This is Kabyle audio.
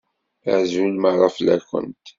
Azul meṛṛa fell-akent!